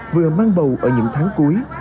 vừa mang bầu ở những tháng cuối